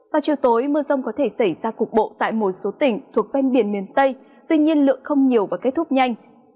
vào chiều tối mưa rông có thể xảy ra cục bộ tại một số tỉnh thuộc ven biển miền tây tuy nhiên lượng không nhiều và kết thúc nhanh